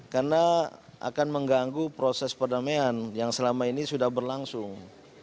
karena akan mengganggu proses perdamaian yang selama ini sudah berlangsung